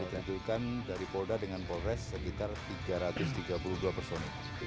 kita juga dari polda dengan polres sekitar tiga ratus tiga puluh dua personil